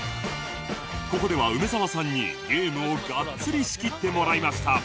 ここでは梅澤さんにゲームをがっつり仕切ってもらいました